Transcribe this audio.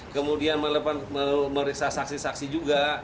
kemudian memeriksa saksi saksi juga